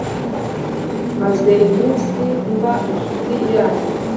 maze iminsi mba inshuti yanyu,